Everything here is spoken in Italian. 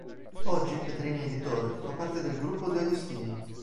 Oggi Petrini Editore fa parte del Gruppo De Agostini.